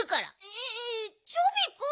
えチョビくん。